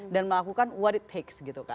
dan melakukan what it takes